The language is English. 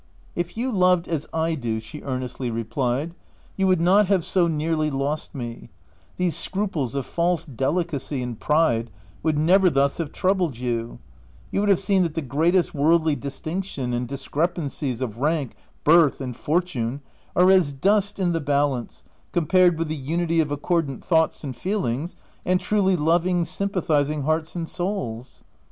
" If you loved as / do," she earnestly re plied, " you would not have so nearly lost me — these scruples of false delicacy and pride would never thus have troubled you — you would have seen that the greatest worldly dis tinctions and discrepancies of rank, birth, and fortune are as dust in the balance compared with the unity of accordant thoughts and feel ings, and truly loving, sympathizing hearts and souls."